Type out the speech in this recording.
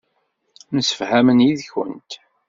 Msefhamen yid-kent.